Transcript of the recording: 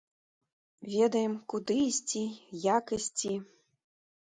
Ведаем, куды ісці, як ісці.